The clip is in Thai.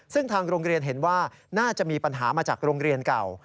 ซึ่งทางโรงเรียนเห็นว่าน่าจะมีปัญหามาจากโรงเรียนเก่า